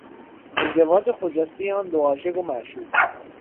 ازدواج خجستهی آن دو عاشق و معشوق